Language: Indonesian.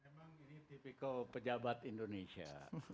emang ini tipikal pejabat indonesia